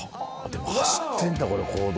走ってんだこれ公道。